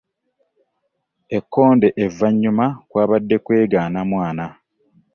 Ekkonde evvannyuma kwabadde kwegaana mwana!